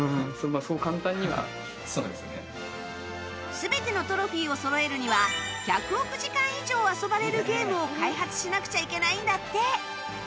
全てのトロフィーをそろえるには１００億時間以上遊ばれるゲームを開発しなくちゃいけないんだって